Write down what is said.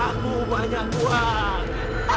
aku banyak uang